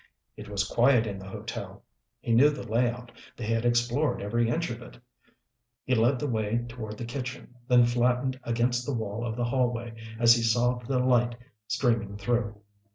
It was quiet in the hotel. He knew the layout; they had explored every inch of it. He led the way toward the kitchen, then flattened against the wall of the hallway as he saw the light streaming through.